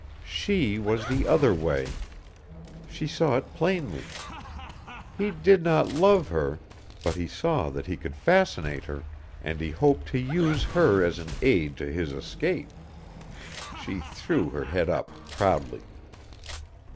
_" She was the other way! She saw it plainly. He did not love her, but he saw that he could fascinate her, and he hoped to use her as an aid to his escape. She threw her head up proudly.